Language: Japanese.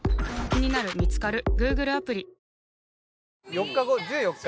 ４日後１４日